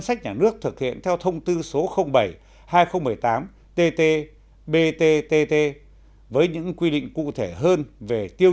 sách nhà nước thực hiện theo thông tư số bảy hai nghìn một mươi tám tt btt với những quy định cụ thể hơn về tiêu